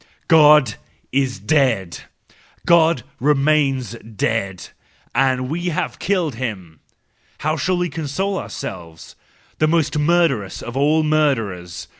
God is dead! God remains dead ! And we have killed him! How shall we console our¬ selves, the most murderous of all murderers